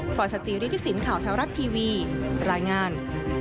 พรอยสจีริทศิลป์ข่าวแท้วรัฐทีวีรายงาน